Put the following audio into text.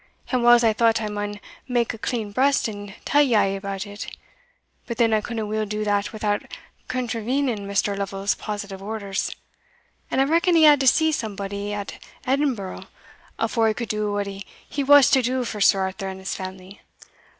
and whiles I thought I maun mak a clean breast and tell you a' about it; but then I couldna weel do that without contravening Mr. Lovel's positive orders; and I reckon he had to see somebody at Edinburgh afore he could do what he wussed to do for Sir Arthur and his family."